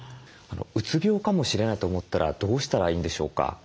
うつ病かもしれないと思ったらどうしたらいいんでしょうか？